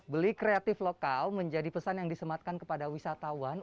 beli kreatif lokal menjadi pesan yang disematkan kepada wisatawan